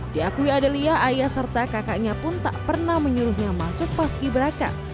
diakui adelia ayah serta kakaknya pun tak pernah menyuruhnya masuk paski beraka